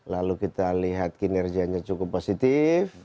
lalu kita lihat kinerjanya cukup positif